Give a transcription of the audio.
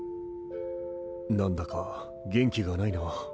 何だか元気がないな。